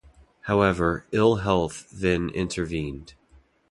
However, ill health then intervened.